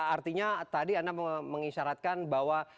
artinya tadi anda mengisyaratkan bahwa